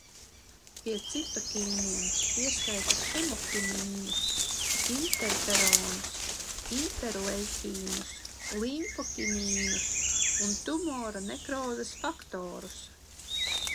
Pie citokīniem pieskaita hemokinīnus, interferonus, interleikīnus, limfokinīnus un tumora nekrozes faktorus.